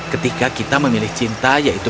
ketika kita memilih cinta yaitu